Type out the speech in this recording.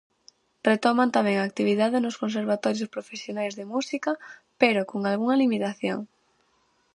Retoman tamén a actividade nos conservatorios profesionais de música, pero co algunha limitación.